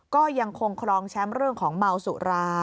ก็ยังคงครองแชมป์เรื่องของเมาสุรา